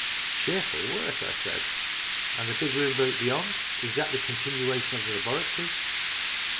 "Cheerful work," I said. "And the big room beyond? Is that a continuation of the labora tory